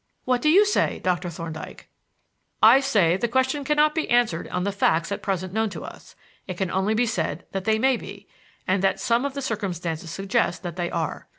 What do you say, Doctor Thorndyke?" "I say that the question cannot be answered on the facts at present known to us. It can only be said that they may be, and that some of the circumstances suggest that they are.